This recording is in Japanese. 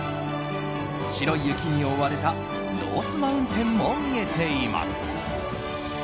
白い雪に覆われたノースマウンテンも見えています。